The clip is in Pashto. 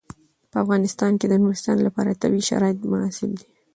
په افغانستان کې د نورستان لپاره طبیعي شرایط مناسب دي.